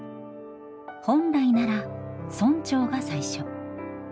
本来なら村長が最初。